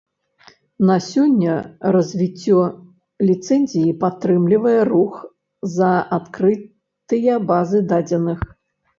На сёння развіццё ліцэнзіі падтрымлівае рух за адкрытыя базы дадзеных.